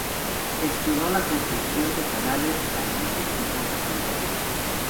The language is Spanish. Gestionó la construcción de canales, aljibes y postas sanitarias.